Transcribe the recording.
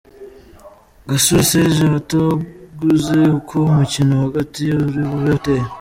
Gasore Serge abateguza uko umukino w'agati uribube uteye.